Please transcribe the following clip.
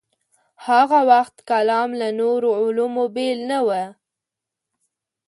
هاغه وخت کلام له نورو علومو بېل نه و.